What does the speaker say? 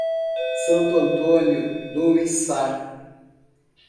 Santo Antônio do Içá